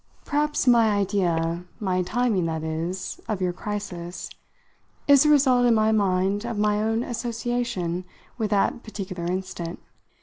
"Perhaps my idea my timing, that is, of your crisis is the result, in my mind, of my own association with that particular instant.